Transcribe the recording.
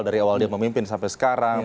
dari awal dia memimpin sampai sekarang